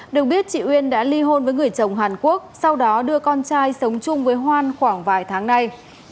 được biết chị uyên đã ly hôn với người chồng hàn quốc sau đó đưa con trai sống chung với hoan khoảng vài tháng nay